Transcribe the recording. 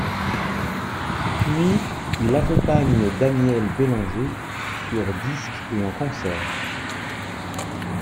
Puis il accompagne Daniel Bélanger sur disques et en concerts.